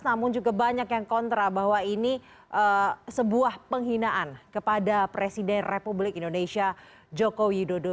namun juga banyak yang kontra bahwa ini sebuah penghinaan kepada presiden republik indonesia joko widodo